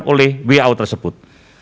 oleh wau tersebut